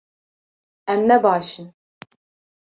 Em ne baş in